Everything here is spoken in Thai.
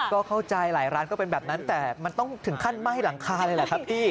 ก็เข้าใจหลายร้านก็เป็นแบบนั้นแต่มันต้องถึงขั้นไหม้หลังคาเลยแหละครับพี่